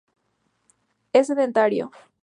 Es sedentario.